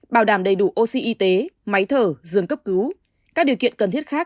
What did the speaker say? bảo đảm đầy đủ oxy y tế máy thở dường cấp cứu các điều kiện cần thiết khác